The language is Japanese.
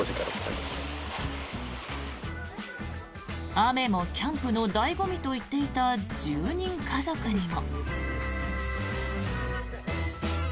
雨もキャンプの醍醐味と言っていた１０人家族にも。